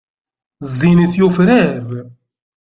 Zzin-is Yufrar.